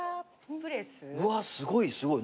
うわすごいすごい。